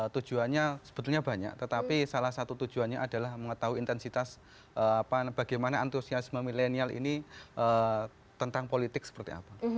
tujuannya sebetulnya banyak tetapi salah satu tujuannya adalah mengetahui intensitas bagaimana antusiasme milenial ini tentang politik seperti apa